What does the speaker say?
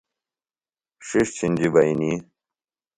ݜِݜ چِھنجیۡ بئنی۔